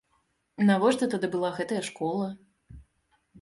Навошта тады была гэтая школа?